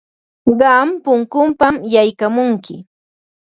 Qam punkunpam yaykamunki.